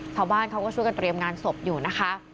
ชาวบ้านเขาก็ช่วยกันเตรียมงานศพอยู่นะคะ